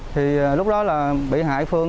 thì lúc đó là bị hại phương